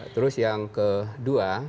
terus yang kedua